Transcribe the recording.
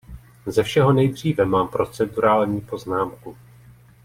Ze všeho nejdříve mám procedurální poznámku.